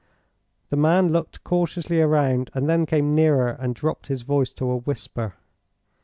The man looked cautiously around, and then came nearer and dropped his voice to a whisper.